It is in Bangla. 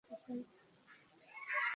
ভিন্ন ভিন্ন নামে বিভিন্ন দেশে এর বিস্তার।